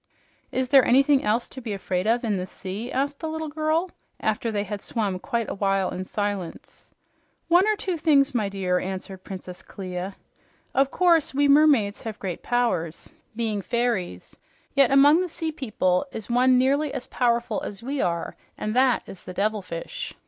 "Is there anything else to be afraid of in the sea?" asked the little girl after they had swum quite a while in silence. "One or two things, my dear," answered Princess Clia. "Of course, we mermaids have great powers, being fairies; yet among the sea people is one nearly as powerful as we are, and that is the devilfish."